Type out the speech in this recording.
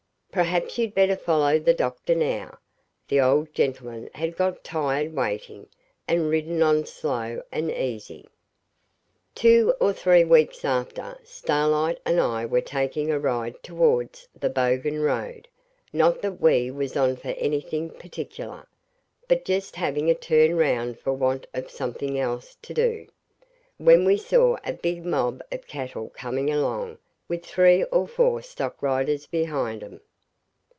Perhaps you'd better follow the doctor now.' The old gentleman had got tired waiting, and ridden on slow and easy. Two or three weeks after, Starlight and I were taking a ride towards the Bogan Road, not that we was on for anything particular, but just having a turn round for want of something else to do, when we saw a big mob of cattle coming along, with three or four stock riders behind 'em.